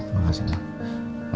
ya makasih mbak